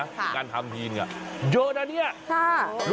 ค่ะการทำพีชอะเยอะนะเนี่ย